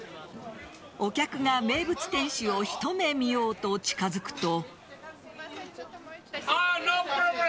お客が名物店主を一目見ようと近づくと。